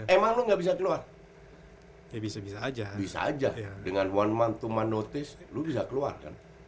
emang nggak bisa keluar ya bisa bisa aja bisa aja dengan one month to man notice lu bisa keluar kan